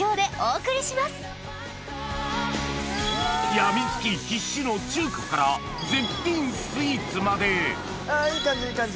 やみつき必至の中華から絶品スイーツまであいい感じいい感じ。